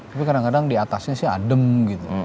tapi kadang kadang diatasnya sih adem gitu